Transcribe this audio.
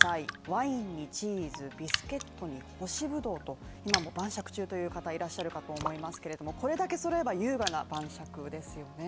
ワインにチーズビスケットに干しブドウと今も晩酌中という方いらっしゃるかと思いますけれどもこれだけ揃えば優雅な晩酌ですよね。